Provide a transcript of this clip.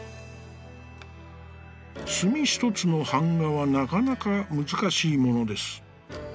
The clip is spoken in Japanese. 「墨一つの板画はなかなかむずかしいものです。